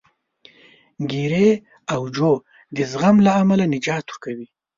ګېري او جو د زغم له امله تجارت کوي.